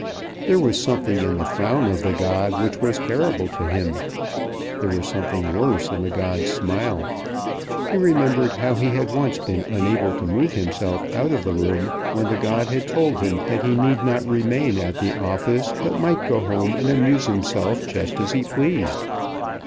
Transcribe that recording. There was something in the frown of the god which was terrible to him. There was something worse in the god's smile. He remembered how he had once been unable to move himself out of the room when the god had told him that he need not remain at the office, but might go home and amuse himself just as he pleased.